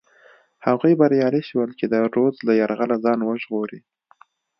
هغوی بریالي شول چې د رودز له یرغله ځان وژغوري.